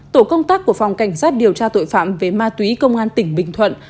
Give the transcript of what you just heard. tổ công tác của phòng cảnh sát điều tra tội phạm về ma túy công an tỉnh bình thuận